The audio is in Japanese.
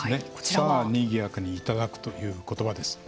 「さあ、にぎやかにいただく」という言葉です。